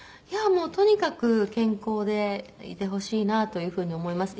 とにかく健康でいてほしいなという風に思います。